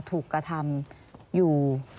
ถูกกระทำอยู่